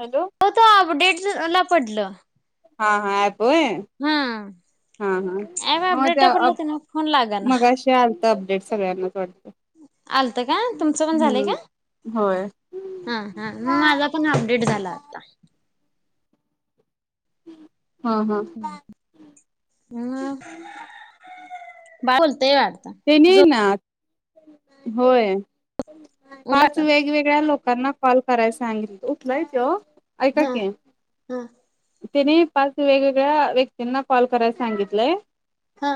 Hello अहो तो update ला पडलं. हा हा आत होय हा हां-हां ऍप मग अपडेटला तेअ पडलं अप ते ना फोन लागा ना मघाशी आलंत अपडेट्स. सगळ्यांनाच वाटतं. आलत का? तुमचं पण झालंय का? हम्म होय हा-हा म हा माझा पण अपडेट झाला आता. हम्म हां हा दाय हूल ते वाटत तेनी जो ना होय पाच वाटत वेगवेगळ्या लोकांना कॉल कराय सांगितल उठलाय त्यो हम-हम्म त्यांनी पाच वेगवेगळ्या व्यक्तींना कॉल कराय सांगितलंय. हा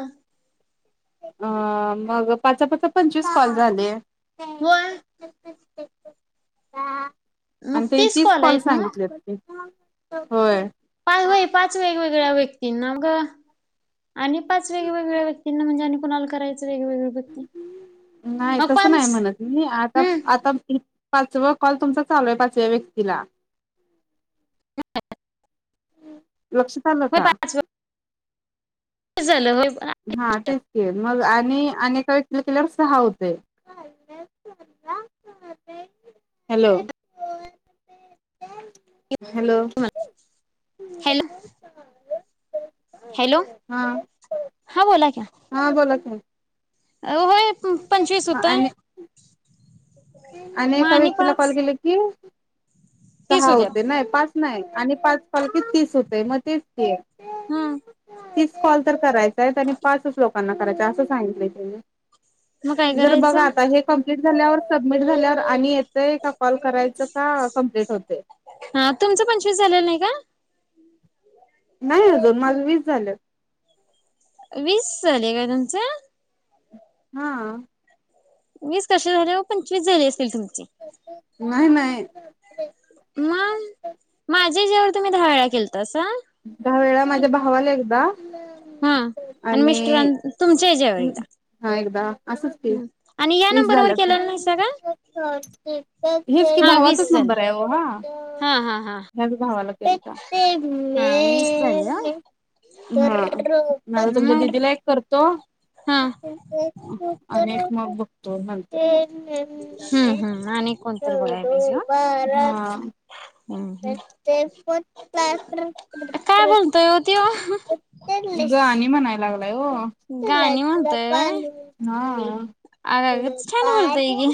अ मग पाचा पाचा पंचवीस कॉल झाले. होय हा आणि मग तेनी तीस कॉल आहेत ना सांगितलेत की होय पाय व्हय पाच वेगवेगळ्या व्यक्तींना क आणि पाच वेगवेगळ्या व्यक्तींना म्हणजे आणि कुणाल कराय नाही मग तसं नाही पाच म्हणत मी आता हम्म आता पाचवा कॉल तुमचा चालू आहे पाचव्या व्यक्तीला [inaudible] लक्षात आल होय का? पाच [unintelligible] झालं व्हय. हा तेच की मग आणि आणिक.... [inaudible] सहा होतय हॅलो [inaudible] हॅलो हॅलो हा हा बोला क्या हा बोला की? अ व्हय पंचवीस होता. आणि आणि एका व्यक्तीला कॉल केले की, तीस सहा होत्यात होते नाय पाच नाय आणि पाच कॉल की तीस होतय म तेच की हा तीच कॉल तर करायच आहेत आणि पाचच लोकांना करायचाय असं सांगितलंय मग काय तिन जर बघा करायचं आता हे क केस झाल्यावरच सबमिट झाल्यावर आणि येतय का कॉल करायचं का कमप्लीट होतय. हा तुमचं पंचवीस झालेलं नाही का नाई अजून माझ वीस झालं. वीस झाले का तुमचं? हा वीस कशे झाले हो पंचवीस झाले असतील तुम च नाही नाही मग माझ्या जेव तर... मी दहावेळा केलतो. दहा वेळा माझ्या भावाला एकदा हा आणि मिस्टरां तुमच्या याच्यावर एकदा हा एकदा असच ते आणि या वीस नंबरवर झाल्यात केलेला नाहीसा का एक हेच की हा भावाचाच वीस नंबर झाले आहे हो हा हा हा हा ह्याच भावाला केलता. हा वीस झाले हा. मी हा तुमच्या मग दिदीला एक करतो हा आणि एक मग बघतो... [inaudible] हम्म हम्म आणि कोणतरी बघाय पायजे ओ. काय बोलतोय हो त्यो गाणी म्हणायलाय नाही ओ गाणी हा म्हणतोय व्हय अग छान बोलतय की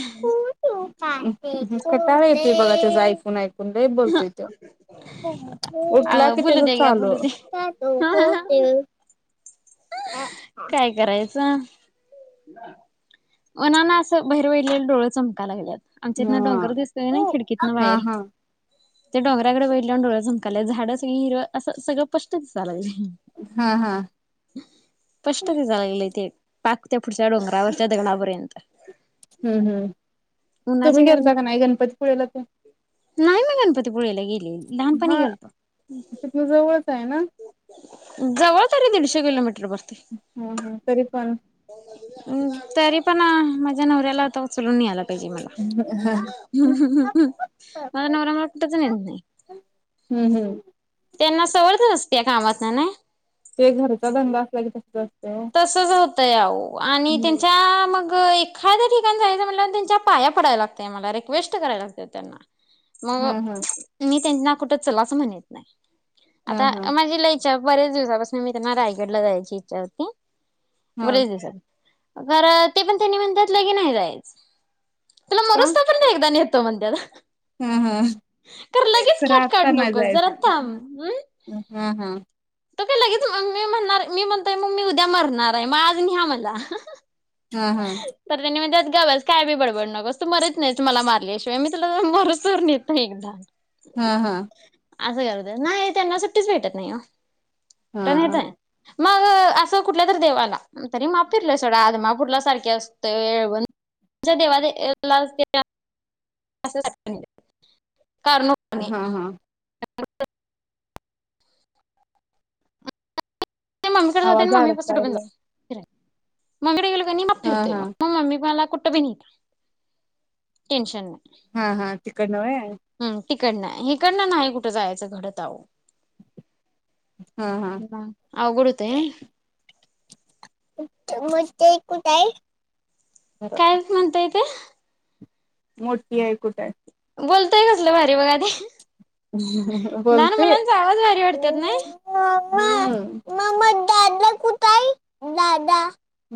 आ कटाळ येतुय बघा तेच ऐकून ऐकून. लय बोलतोय त्यो अ उठला कि बोलू त्याच दे घ्या चालू बोलू दे काय करायचं. [inaudible] उनान असं बाहीर बघितलंल डोळ चमकाय लागल्यात. आमच्या इतन हा डोंगर दिसतोय नाई खिडकीतन हा बाहेर. हा ते डोंगराकड बघितल्यावर डोळ्या चमकायला लागल्यात झाड सगळी हीर असं सगळं स्पष्ट दिसायला लागलय. हा हम स्पष्ट दिसाय लागलय ते. पाक त्या पुढच्या डोंगरावरच्या दगडापर्यंत हम्म हम्म तुम्ही उन्हाच्या कारण गेलता का नाय गणपतीपुळ्याला तेन? नाही मी गणपतीपुळ्याला गेली हा तिथन जवळच हायं ना? जवळ तरी दीडशे किलोमीट ह ह तरी पण [unintelligible] तरी पण..... माझ्या नवऱ्याला आता उचलून न्याल्यात [unintelligible] पाहिजे मला हम्म हु-हु-हु माझा नवरा मला कुठच नेत नाई. हम्म त्यांना सवळ [unintelligible] त्या कामातन नाय ते घरचा धंदा असला की तसंच असतं. तसच होतंय आहो आणि हम्म. त्यांच्या मग एखाद्या ठिकाण जायचं म्हटल्यावं त्यांच्या पाया पडाय लागत मला रिक्वेस्ट कराय लागतिया त्यांना. मग हा हा मी त्यांना कुठ चलाच म्हणीत नाय. हा आता हा अ माझी लई इच्छा बऱेच दिवसापासन मी त्यांना रायगडला ला जायाची इच्छा होती. हा बरेच दिवसांनी तर ते पण त्यांनी म्हणत्यात की लगी न्हाय जायच. का? आता न्हेतो मणत्यात. ह ह तर खेट काढ आत्ता नाय नकोस जाईत जरा थांब नाय ह ह तर काय लगेच मग मी म्हणणार मी म्हणतोय मग मी उद्या मरणाराय मग आज न्ह्या मला हु हा हा हु तर त्यांनी मणत्यात गबस काय बी बडबडू नगोस तू मरत नाइस मला मारल्याशिवाय मी तुला मरुस्तोर नेत नाही एकदा हम हम असं करत्यात न्हाय त्यांना सुट्टीच भेटत नाई ओ हा मग अस तो कुठल्या तर देवाला तरी माप फिरलोय सोडा आदमापूर ला सारखी असतोय येळवण [inaudible] असं [inaudible] कारणो [inaudible] णे हा हा ते मम्मीकडे जाते आणि आवाज मम्मी [inaudible] जाते अडकायलाय फिरायला. मम्मीकडं गेलो आणि मग हा फिरतेय हा मग. मग मम्मी मला कुट बी [inaudible] टेन्शन नाय. हा हा तिकडन व्हय? हम् तिकडन हिकडनं नाही कुठं जायचं घडत आओ. हा हा [inaudible] अवघड हुतंय म ते कुठाय? काय म्हणतायेत? [inaudible] मोठी आई कुठ हायं? बोलतय कसलं भारी बघा ते लहान बोलते मुलांच आवाज भारी वाटत्यात नाय? हम्म. मग मम्मा दादा कुठ आहे दादा?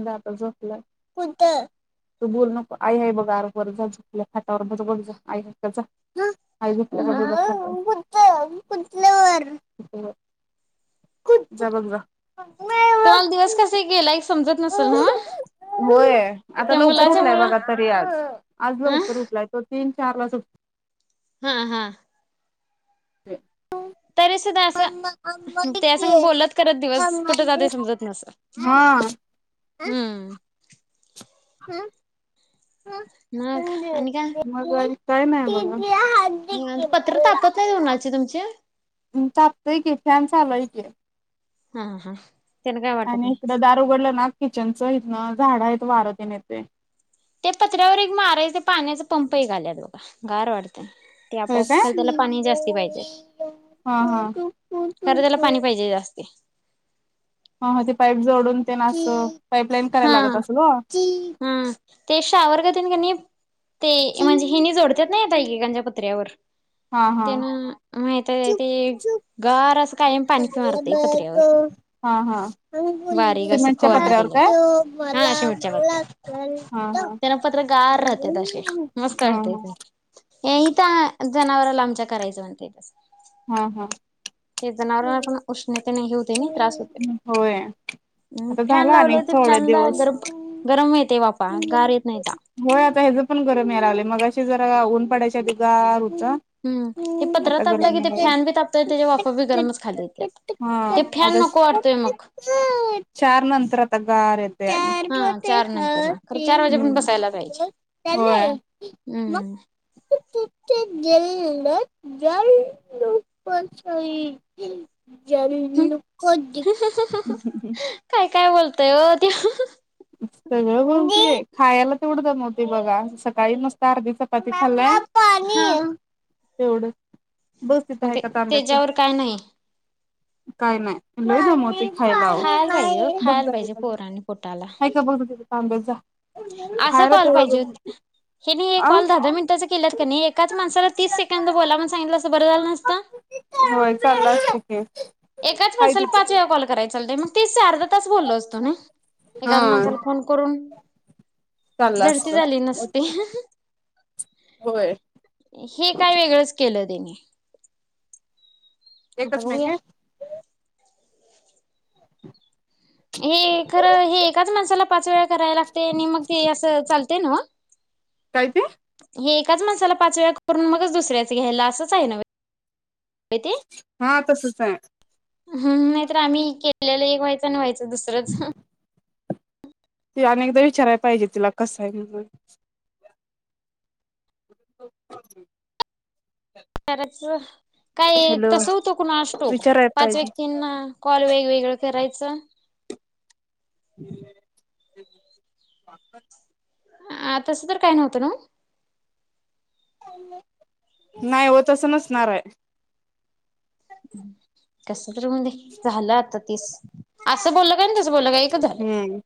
दादा झोपलाय. कुठ? तू बोलू नको आई आहे बघा आत बर जा झोपल्या खाटवर बरोबर जा आई आहे का जा. आई झोपल्याका बघूया थांम. त्या बाजूला तुम्हाला दिवस कस गेलाईस. होय आता त्या लवकर मुलाच्या उठलाय मुळ बघा तरी आज. आज अ लवकर उठलाय तो तीन चार वाजून, हा हा हम् तरी सुद्धा असं किती त्यासंग आहे? बोलत करत दिवस कुठ जातय मम्मा समजत नसल. हा. हम्म [inaudible] आणि काय मग दिवाळी काय नाही बगा. पत्र तापत नाही उणाची तुमची? त्या अ तापतोय की फॅन चालू हाय की. हा हा त्यान काय वाटत आणि नाही. इकडं दार उघडल ना किचनचं हितंन झाड आहेत वारतेन येतय. ते पत्र्यावर एक मारायच पाण्याच पंप एक आल्यात बघा गार वाटत होय पाहिजे काय? ह खरं त्याला पाणी पाहिजे जास्ती ह ह ह ते पाईप जोडून तेन असं पाईपलाईन करायला लागत असल ओ हम् ते शॉवर गतीनं कणी ते म्हणजे हिनि जोडत्यात नई आता एकेका पत्र्यावर तेन हा-हा, माहित आहे ते हा-हा गार असं कायम पाणी मारतय सिमेंटच्या पत्र्यावर पत्र्यावर बारीक असं फवारणी काय. केली हा ह शिमेटच्या पत्र्यावर हा त्यान पत्र गार राहत्यात हा हा हे इथ आ जनावरला आमच्या करायच म्हणते इथं असं हा हा ते जनावरांना पण उष्णतेने हे होतय नी त्रास होय होतय आता फॅन झाला लावल अनेक ते थोडे फॅनला दिवस गरम ऊन येतंय. होय आता हेच पण गरम याय लागलंय मगाशी जरा बघा ऊन पडायच्या आधी गार हो आता हम्म ते पत्रा आता तापला की गरम ते फॅन बी तापतय त्याच्या वाफा बी यायलागलाय. गरमच खाली येत्यात. हा ते फॅन आता नको वाटतोय मग चार नंतर आता गार येतय आणि हा चार नंतर ना खरं चार वाजेपर्यंत बसायला पाहिजे. हम्म-हम्म होय [inaudible] हम्म जाय इना काय ते काय काय बोलतोय ओ ते हंहं सगळं बोलतीय खायाला तेवढं दमवती बघा, सकाळी मस्त अर्धी चपाती खाल्ल्या. हाँ तेवढं बस तिथं मग आहे ते का तांब्याचा तेच्यावर काय नाही. काय नाही लई दमवतो- - होय ना खायला ओ बघ जा कि [inaudible] आस खायला कॉल तेवढं पाहिजेत, जमवते हे मी एक आ कॉल दहा दहा मिनिट च केल्यात त्यांनी, एकाच माणसाला तीस सेकंद बोला मुन सांगितल अस होयं चालु असतंय कि एकाच माणसाला पाच वेळा कॉल करायला चा - - ई मंग तीस च आरधा तास, बोललो असतो ना. एखाद हा माणसाला फोन करून चाललं असत. झडती झाली नसती. हंहं होय हे काय वेगळंच केलंत. तेणे एकच महिने. [unintelligible] हे खरं हे एकाच माणसाला पाच वेळा करा लागतंय नि मग ते अस चालतयं नव्हं काय ते ए- - त्याच माणसाला पाच वेळा करून मगच दुसऱ्याच घ्यायला असंच आहे न हाँ तसचं स [unintelligible] हम नाहीतर आम्ही केलेल एक व्हायचं न व्हायचं - - तर दुसरंच हं ते अनेकदा विचाराया पाहिजे तिला कसं हाय म्हणुन [unintelligible] करायच काय हॅलो तस होतं कुणास ठाऊक, विचाराय पाच पाहिजे. व्यक्तींना कॉल वेगवेगळं करायचं. [unintelligible] आ तसं तर काय नव्हतं नव्हं नाय ओ तसं नसणाराय. हं कसं झालं आता तीस, आसं बोललं काय न तसं बोललं काय एकच झालं. हम्म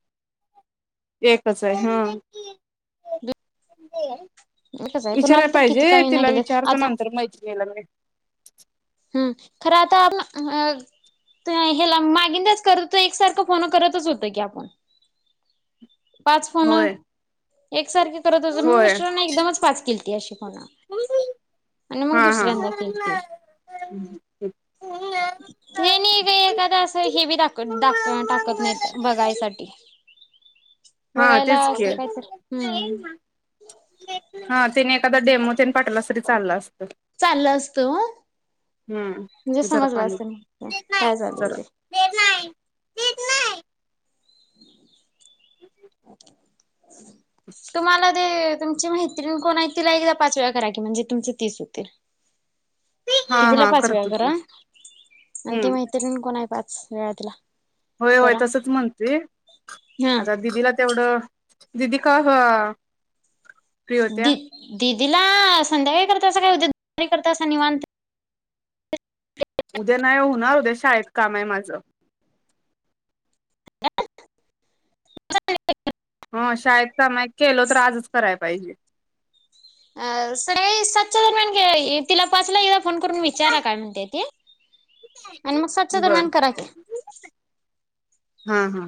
एकच हाय हं [unintelligible] एकच आहे कुणाला विचाराय तर किती पाहिजे काय ना तिला केलं विचारतो आता नंतर मैत्रीनिला मी [unintelligible] हूं खरं आता अप हं अ ते हे ला मागिंदच करतोय एकसारखं फोन करतच होतय की आपण पाच फोन होय एकसारखी करत होतं हु होय मिस्टरांना एकदमच पाच केलती अशी फोन आण मंग हा हा. दुसऱ्यांदा केलती. हे नई का एखाद असं हे बी दाख दाख टाकत नाहीत बघायसाठी [inaudible] हा बघायला तेच की असं काहीतरी हम्म हा तिने एखादा डेमो तेन पाटवलास तरी चाललं असतं चाललं असतं म्हणजे हम्म जरा समजलं पाणी असतं दे काय झालं जरा वगैरे. [inaudible] [inaudible] तुम्हाला ते तुमची मैत्रीण कोण आहे तिला एकदा पाच वेळा करा की म्हणजे तुमचे तीस होतील. हा दीदीला हा पाच वेळा करतो की करा आणि ती हम्म मैत्रीण कोण आहे पाच वेळा तिला होय होय करा तसच म्हणतेय हा आता दिदीला तेवढं दिदी का हा दी दी तिला संध्याकाळी करतसा काय उद्या दुपारी करतसा निवांत उद्या नाही वो होणार उद्या शाळेत काम आहे माझं. हो शाळेत काम आहे केल तर आजच करायला पाहिजे अ सकाळी सातच्या दरम्यान तिला पाचला एकदा फोन करून विचारा काय म्हणते ती आणि मग सातच्या बर दरम्यान करा की हा हा